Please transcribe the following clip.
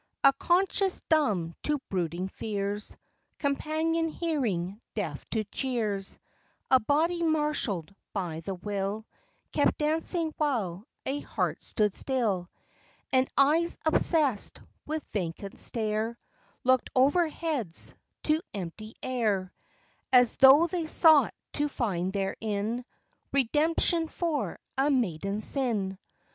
A conscience, dumb to brooding fears, Companioned hearing deaf to cheers; A body, marshalled by the will, Kept dancing while a heart stood still: And eyes obsessed with vacant stare, Looked over heads to empty air, As though they sought to find therein Redemption for a maiden sin.